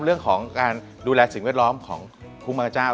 เรื่องของการดูแลสิ่งเวียดร้อมของคุ้งบางกระเจ้า